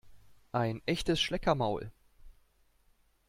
Ein echtes Schleckermaul!